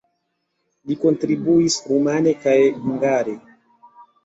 Li kontribuis rumane kaj hungare.